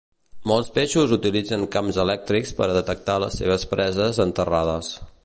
Molts peixos utilitzen camps elèctrics per a detectar les seves preses enterrades.